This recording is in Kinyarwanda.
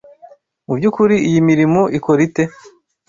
Mubyukuri iyi mirimo ikora ite?